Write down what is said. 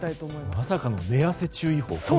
まさかの寝汗注意報。